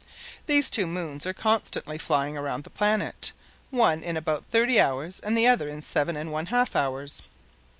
These two moons are constantly flying around the planet, one in about thirty hours and the other in seven and one half hours.